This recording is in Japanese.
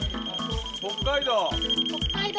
北海道！